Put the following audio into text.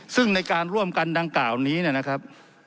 ซึ่งในการร่วมกันดังกล่าวนี้นะครับ